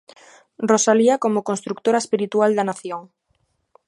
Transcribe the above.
Rosalía como construtora espiritual da Nación.